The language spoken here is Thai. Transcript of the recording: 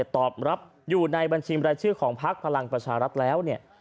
ตอบรับอยู่ในบัญชีบรายชื่อของพักพลังประชารัฐแล้วเนี่ย